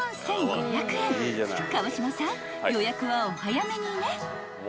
［川島さん予約はお早めにね］